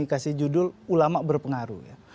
kami kasih judul ulama berpengaruh ya